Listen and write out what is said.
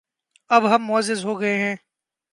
اب ہم معزز ہو گئے ہیں